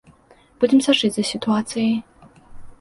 Будзем сачыць за сітуацыяй.